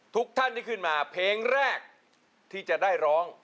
ทุกท่านที่ขึ้นมาเพลงแรกที่จะได้ร้อง